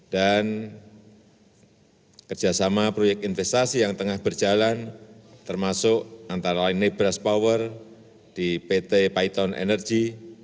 dan kerjasama proyek investasi yang tengah berjalan termasuk antara lain nebras power di pt python energy